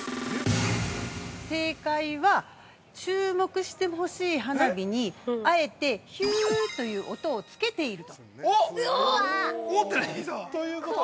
◆正解は、注目してほしい花火にあえて、ヒュという音をつけているということです。